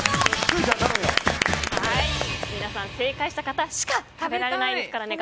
皆さん、正解した方しか食べられないですからね。